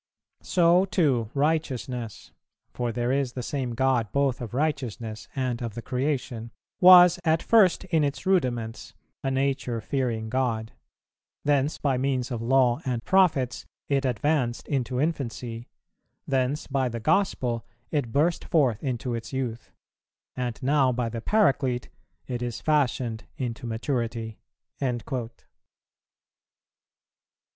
So too righteousness, (for there is the same God both of righteousness and of the creation,) was at first in its rudiments, a nature fearing God; thence, by means of Law and Prophets, it advanced into infancy; thence, by the gospel, it burst forth into its youth; and now by the Paraclete, it is fashioned into maturity."[363:1] 8.